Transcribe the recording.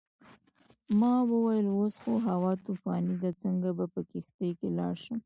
ما وویل اوس خو هوا طوفاني ده څنګه به په کښتۍ کې لاړ شم.